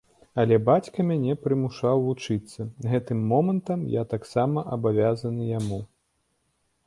Але бацька мяне прымушаў вучыцца, гэтым момантам я таксама абавязаны яму.